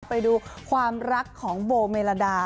ไปดูความรักของโบเมลาดา